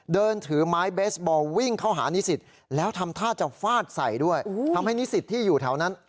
เดินถือไม้เบสบอร์วิ่งเข้าหานิสิต